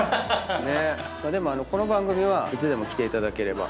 でもこの番組はいつでも来ていただければ。